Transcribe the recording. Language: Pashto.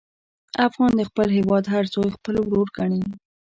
افغان د خپل هېواد هر زوی خپل ورور ګڼي.